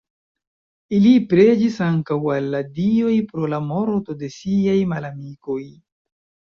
Ili preĝis ankaŭ al la dioj pro la morto de siaj malamikoj.